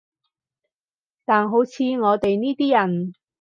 但好似我哋呢啲人